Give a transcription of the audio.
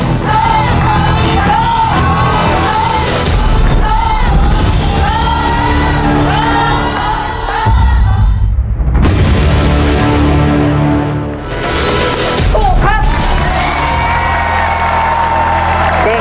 เฮ้เฮ้